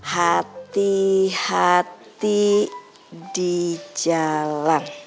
hati hati di jalan